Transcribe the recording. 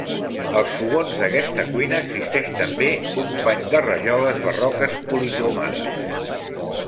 Als fogons d'aquesta cuina, existeix també un pany de rajoles barroques policromades.